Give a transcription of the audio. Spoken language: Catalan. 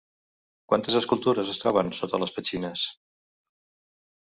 Quantes escultures es troben sota les petxines?